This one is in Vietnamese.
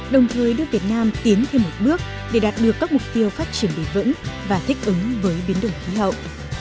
đồng thời đưa việt nam tiến thêm một bước để đạt được các mục tiêu phát triển bền vững và thích ứng với biến đổi khí hậu